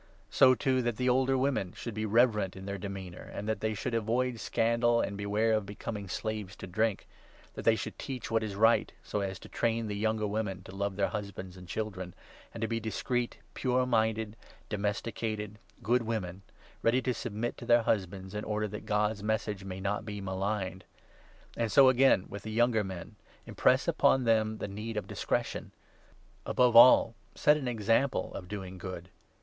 So, too, that the older women should 3 be reverent in their demeanour, and that they should avoid scandal, and beware of becoming slaves to drink ; that they 4 should teach what is right, so as to train the younger women to love their husbands and children, and to be discreet, pure 5 minded, domesticated, good women, ready to submit to their husbands, in order that God's Message may not be maligned. And so again with the younger men— impress upon them the 6 need of discretion. Above all, set an example of doing good.